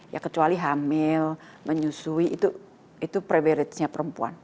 ya kecuali hamil menyusui itu itu favoritnya perempuan